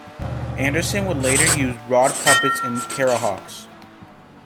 Anderson would later use Rod puppets in "Terrahawks".